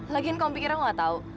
lagian kamu pikir aku gak tau